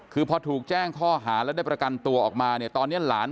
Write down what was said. คือพอถูกแจ้งข้อหาแล้วได้ประกันตัวออกมาเนี่ยตอนนี้หลาน